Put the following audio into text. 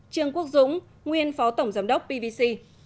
trương quốc dũng nguyên phó tổng giám đốc pvc